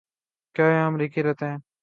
کیا یہاں امریکی رہتے ہیں؟